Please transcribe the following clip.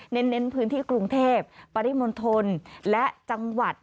เน้นพื้นที่กรุงเทพปริมณฑลและจังหวัด